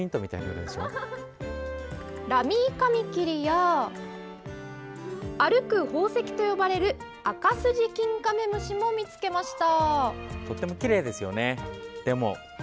ラミーカミキリや歩く宝石と呼ばれるアカスジキンカメムシも見つけました。